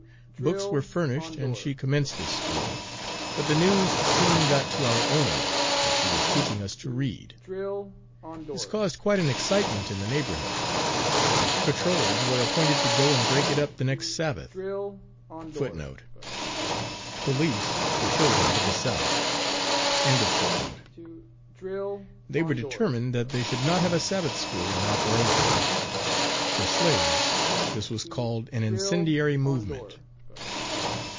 Books were furnished and she commenced the school; but the news soon got to our owners that she was teaching us to read. This caused quite an excitement in the neighborhood. Patrols were appointed to go and break it up the next Sabbath. They were determined that we should not have a Sabbath School in operation. For slaves this was called an incendiary movement.